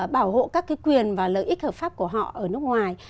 bảo hộ các quyền và lợi ích hợp pháp của họ ở nước ngoài